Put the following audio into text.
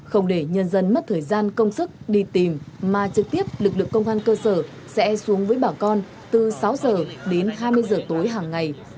không để nhân dân mất thời gian công sức đi tìm mà trực tiếp lực lượng công an cơ sở sẽ xuống với bà con từ sáu giờ đến hai mươi giờ tối hàng ngày